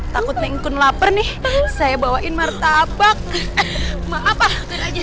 tingkun lapar nih saya bawain martabak maaf ah